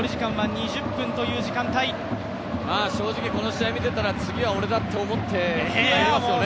正直この試合を見ていたら、次は俺だと思っていますよね。